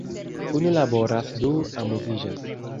Unu laboras du amuziĝas!